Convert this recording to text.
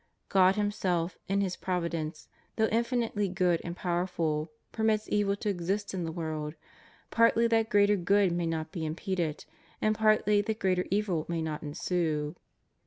God Himself, in His providence, though infinitely good and powerful permits evil to exist in the world, partly that greater good may not be impeded, and partly that greater evil may not ensue.